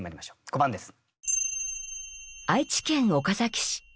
５番です。